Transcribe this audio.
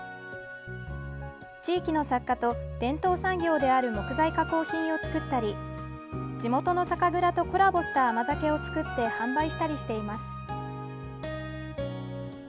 地域の作家と、伝統産業である木材加工品を作ったり地元の酒蔵とコラボした甘酒を造って販売したりしています。